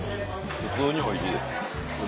普通においしいです。